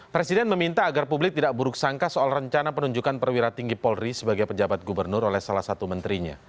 presiden meminta agar publik tidak buruk sangka soal rencana penunjukan perwira tinggi polri sebagai pejabat gubernur oleh salah satu menterinya